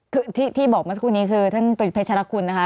คือที่บอกเมื่อสักครู่นี้คือท่านเพชรคุณนะคะ